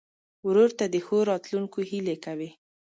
ورور ته د ښو راتلونکو هیلې کوې.